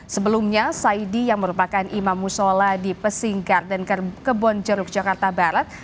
sebelumnya saidi yang merupakan imam musola di pesing garden kebonjeruk jakarta barat